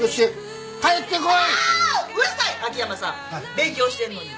勉強してるのに。